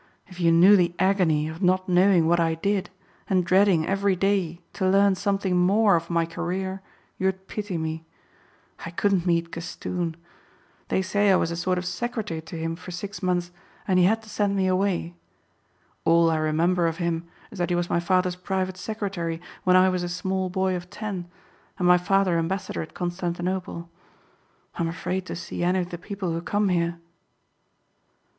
If you knew the agony of not knowing what I did and dreading every day to learn something more of my career you'd pity me. I couldn't meet Castoon. They say I was a sort of secretary to him for six months and he had to send me away. All I remember of him is that he was my father's private secretary when I was a small boy of ten and my father ambassador at Constantinople. I'm afraid to see any of the people who come here."